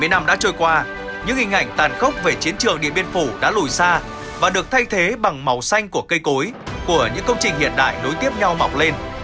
bảy mươi năm đã trôi qua những hình ảnh tàn khốc về chiến trường điện biên phủ đã lùi xa và được thay thế bằng màu xanh của cây cối của những công trình hiện đại đối tiếp nhau mọc lên